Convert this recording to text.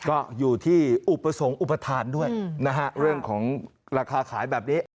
ก็อยู่ที่อุปสรรคอุปทานด้วยนะฮะเรื่องของราคาขายแบบนี้